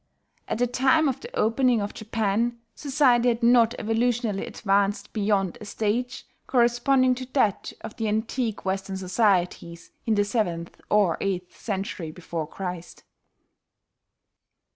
At the time of the opening of Japan, society had not evolutionally advanced beyond a stage corresponding to that of the antique Western societies in the seventh or eighth century before Christ.